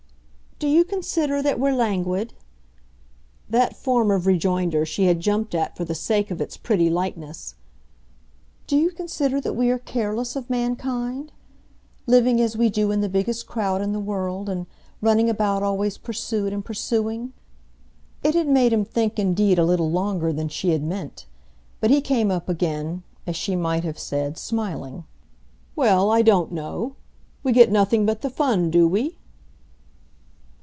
"Do you consider that we're languid?" that form of rejoinder she had jumped at for the sake of its pretty lightness. "Do you consider that we are careless of mankind? living as we do in the biggest crowd in the world, and running about always pursued and pursuing." It had made him think indeed a little longer than she had meant; but he came up again, as she might have said, smiling. "Well, I don't know. We get nothing but the fun, do we?"